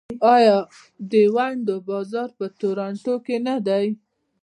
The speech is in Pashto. آیا د ونډو بازار په تورنټو کې نه دی؟